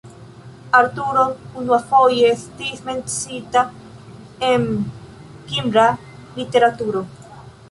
Arturo unuafoje estis menciita en kimra literaturo.